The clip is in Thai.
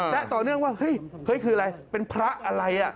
และต่อเนื่องว่าเฮ้ยคืออะไรเป็นพระอะไร